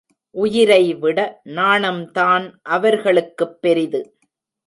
உயிரைவிட நாணம்தான் அவர்களுக்குப் பெரிது.